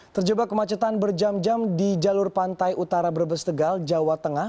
terjebak kemacetan berjam jam di jalur pantai utara brebes tegal jawa tengah